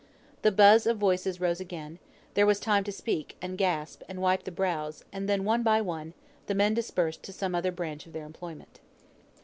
The buzz of voices rose again; there was time to speak, and gasp, and wipe the brows; and then, one by one, the men dispersed to some other branch of their employment.